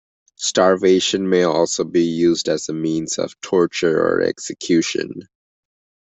Starvation may also be used as a means of torture or execution.